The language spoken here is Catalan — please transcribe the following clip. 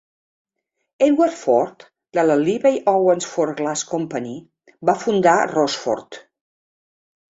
Edward Ford, de la Libbey-Owens-Ford Glass Company, va fundar Rossford.